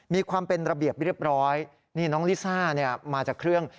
มีความเป็นระเบียบเรียบร้อยนี่น้องลิซ่าเนี่ยมาจากเครื่อง